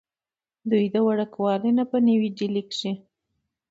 دوي د وړوکوالي نه پۀ نوي ډيلي کښې